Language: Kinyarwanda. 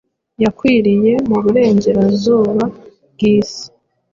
yakwiriye muburengerazuba bwisi